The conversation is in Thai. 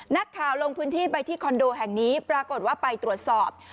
ลงพื้นที่ไปที่คอนโดแห่งนี้ปรากฏว่าไปตรวจสอบ